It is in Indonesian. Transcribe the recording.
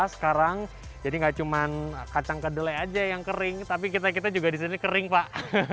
sekarang jadi nggak cuma kacang kedelai aja yang kering tapi kita juga disini kering pak